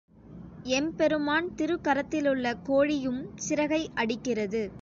எம்பெருமான் திருக்கரத்திலுள்ள கோழியும் சிறகை அடிக்கிறது.